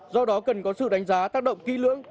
do đó cần có sự đánh giá tác động kỹ lưỡng